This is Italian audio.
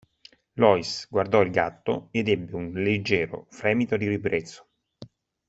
Lois guardò il gatto ed ebbe un leggero fremito di ribrezzo.